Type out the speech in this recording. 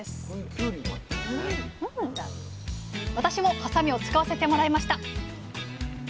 私もはさみを使わせてもらいました